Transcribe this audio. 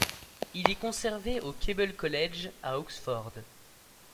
Il est conservé au Keble College à Oxford.